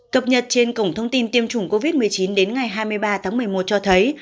cập nhật trên cổng thông tin tiêm chủng covid một mươi chín đến ngày hai mươi ba tháng một mươi một cho thấy